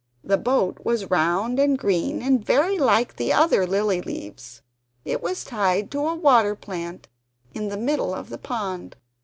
The boat was round and green, and very like the other lily leaves. It was tied to a water plant in the middle of the pond.